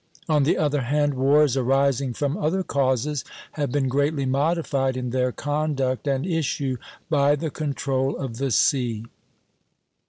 On the other hand, wars arising from other causes have been greatly modified in their conduct and issue by the control of the sea.